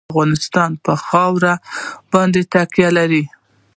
افغانستان په خاوره باندې تکیه لري.